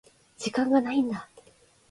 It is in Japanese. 時間がないんだ。